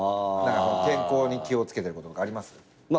何か健康に気を付けてることとかあります？